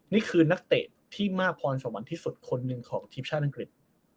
นี่คือนักเตะที่มากพรสวรรค์ที่สุดคนหนึ่งของทีมชาติอังกฤษ